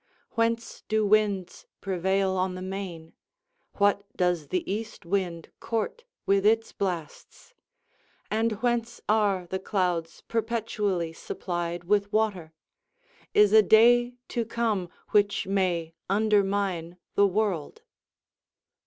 whence do winds prevail on the main? what does the east wind court with its blasts? and whence are the clouds perpetually supplied with water? is a day to come which may undermine the world?"